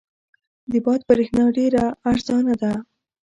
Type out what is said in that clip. د باد برېښنا ډېره ارزانه ده.